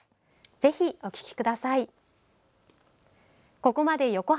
ぜひお聴きください。